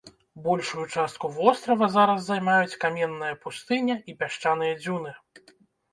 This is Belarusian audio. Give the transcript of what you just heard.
Большую частку вострава зараз займаюць каменная пустыня і пясчаныя дзюны.